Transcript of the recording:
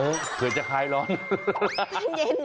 เออเผื่อจะไฮล้อน